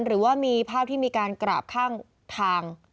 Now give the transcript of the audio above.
หรือว่ามีภาพที่มีการกราบข้างทาง